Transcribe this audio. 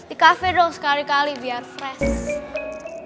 di cafe dong sekali kali biar fresh